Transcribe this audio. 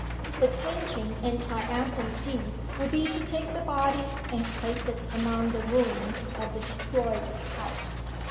'The clinching and triumphant deed would be to take the body and place it among the ruins of the destroyed house.